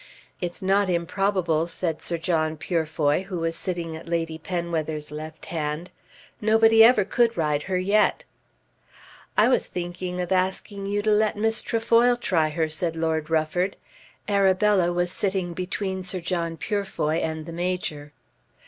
"It's not improbable," said Sir John Purefoy who was sitting at Lady Penwether's left hand. "Nobody ever could ride her yet." "I was thinking of asking you to let Miss Trefoil try her," said Lord Rufford. Arabella was sitting between Sir John Purefoy and the Major.